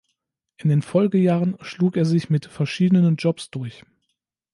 In den Folgejahren schlug er sich mit verschiedenen Jobs durch.